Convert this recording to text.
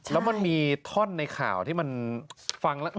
แล้วมันมีท่อนในข่าวที่มันฟังแล้ว